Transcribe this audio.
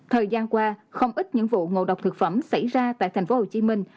thời gian qua không ít những vụ ngộ độc thực phẩm xảy ra tại thành phố hồ chí minh